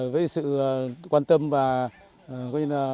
với sự quan tâm của ngân hàng chính sách xã hội huyện